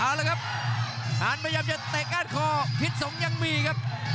เอาละครับทานพยายามจะเตะก้านคอพิษสงฆ์ยังมีครับ